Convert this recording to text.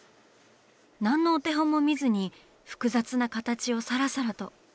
何のお手本も見ずに複雑な形をサラサラと。